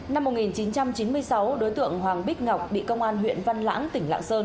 năm một nghìn chín trăm chín mươi sáu đối tượng hoàng bích ngọc bị công an huyện văn lãng tỉnh lạng sơn